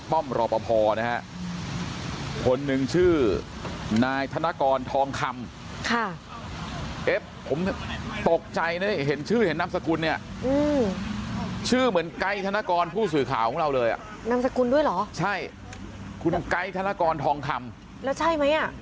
คุณไก้ธนากรทองคำแล้วใช่มั้ย